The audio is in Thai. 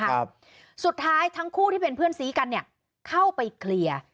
ครับสุดท้ายทั้งคู่ที่เป็นเพื่อนซีกันเนี้ยเข้าไปเคลียร์